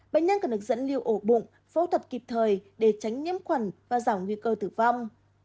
bệnh nhân cần được dẫn liều ổ bụng phẫu thuật kịp thời để tránh nhiễm khuẩn và giảm nguy cơ tử vong